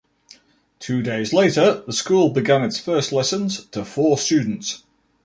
Two days later, the school began its first lessons to four students.